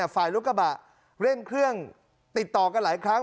ฝ่ายรถกระบะเร่งเครื่องติดต่อกันหลายครั้ง